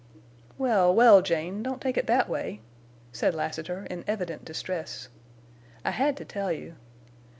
"Well, well, Jane, don't take it that way," said Lassiter, in evident distress. "I had to tell you.